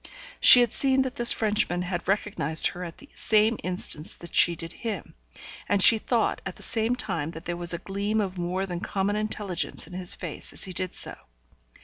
She had seen that this Frenchman had recognised her at the same instant that she did him, and she thought at the same time that there was a gleam of more than common intelligence on his face as he did so.